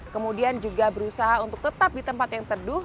kemudian juga berusaha untuk tetap di tempat yang teduh